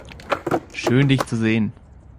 Schön, dich zu sehen!